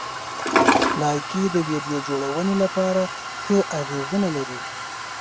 لایکي د ویډیو جوړونې لپاره ښه اغېزونه لري.